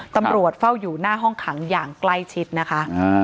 ตำรวจเฝ้าอยู่หน้าห้องขังอย่างใกล้ชิดนะคะ